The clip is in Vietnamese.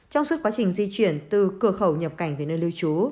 trong suốt quá trình di chuyển từ cửa khẩu nhập cảnh về nơi lưu trú